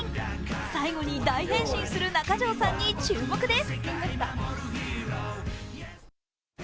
最後に大変身する中条さんに注目です。